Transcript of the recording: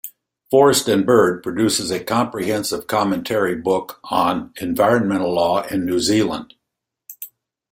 Forest and Bird produces a comprehensive commentary book on environmental law in New Zealand.